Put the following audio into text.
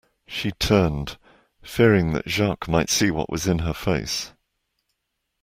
She turned, fearing that Jacques might see what was in her face.